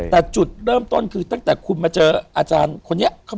แต่จุดเริ่มต้นคือตั้งแต่คุณมาเจออาจารย์คนนี้